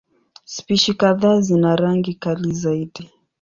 Spishi kadhaa zina rangi kali zaidi.